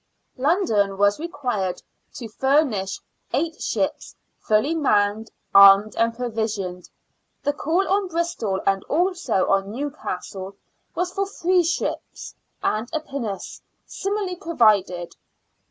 London was required to furnish eight ships fully manned, armed and provisioned. The call on Bristol, and also on Newcastle, was for three ships and a pinnace similarly provided.